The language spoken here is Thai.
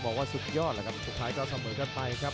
บอกว่าสุดยอดแล้วครับสุดท้ายก็เสมอกันไปครับ